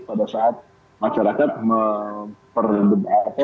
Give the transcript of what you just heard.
pada saat masyarakat memperlembab